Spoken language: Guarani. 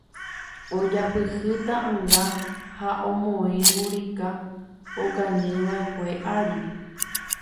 ojapyhy ta'ãnga ha omoĩ mburika okañyva'ekue ári